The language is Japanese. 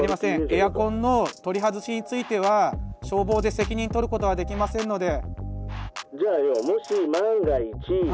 エアコンの取り外しについては消防で責任取ることはできませんので。